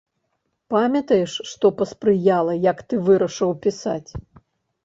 Памятаеш, што паспрыяла, як ты вырашыў пісаць?